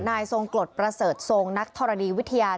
นายทรงกรดประเสริฐทรงนักธรณีวิทยา